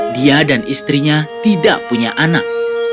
dia dan istrinya tidak punya anak